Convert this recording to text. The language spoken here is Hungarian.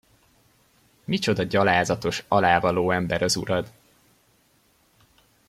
Micsoda gyalázatos, alávaló ember az urad!